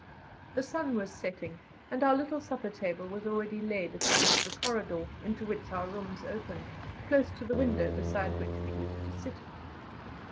The sun was setting, and our little supper table was already laid at the end of the corridor into which our rooms opened, close to the window beside which we used to sit.